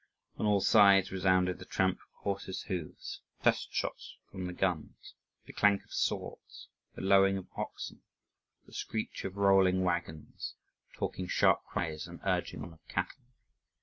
On all sides resounded the tramp of horses' hoofs, test shots from the guns, the clank of swords, the lowing of oxen, the screech of rolling waggons, talking, sharp cries and urging on of cattle.